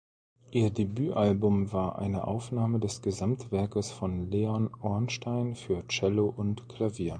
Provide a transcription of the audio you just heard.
Ihr Debütalbum war eine Aufnahme des Gesamtwerkes von Leon Ornstein für Cello und Klavier.